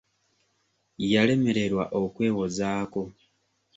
Yalemererwa okwewozaako.